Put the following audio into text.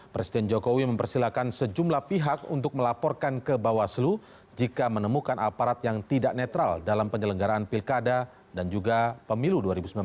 presiden jokowi mempersilahkan sejumlah pihak untuk melaporkan ke bawaslu jika menemukan aparat yang tidak netral dalam penyelenggaraan pilkada dan juga pemilu dua ribu sembilan belas